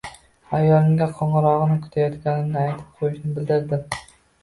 Ayolimga qoʻngʻirogʻini kutayotganimni aytib qoʻyishini bildirdi